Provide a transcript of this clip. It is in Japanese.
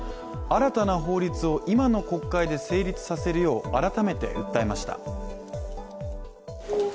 新たな法律を今の国会で成立させるよう改めて訴えました。